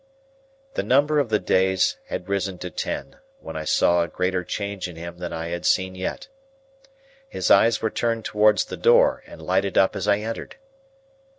The number of the days had risen to ten, when I saw a greater change in him than I had seen yet. His eyes were turned towards the door, and lighted up as I entered.